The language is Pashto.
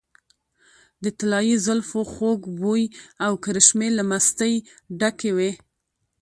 د طلايي زلفو خوږ بوي او کرشمې له مستۍ ډکې وې .